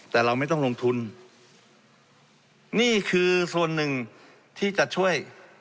แต่เราไม่ต้องลงทุนนี่คือส่วนหนึ่งที่จะช่วย